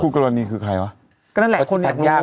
คู่กรณีคือใครวะก็นั่นแหละคนไหนที่รู้